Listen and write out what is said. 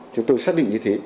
chúng tôi xác định như thế